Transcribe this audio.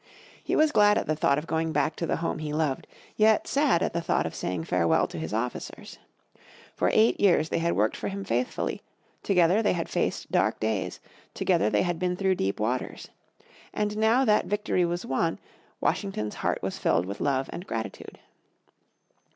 He was glad at the thought of going back to the home he loved, yet sad at the thought of saying farewell to his officers. For eight years they had worked for him faithfully, together they had faced dark days, together they had been through deep waters. And now that victory was won, Washington's heart was filled with love and gratitude.